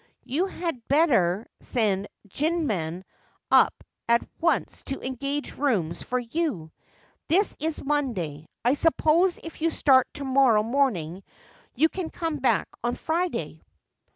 You had better send Jinman up at once to engage rooms for you. This is Monday. I suppose if you start to morrow morning you can come back on Friday.'